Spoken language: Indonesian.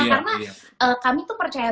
karena kami tuh percaya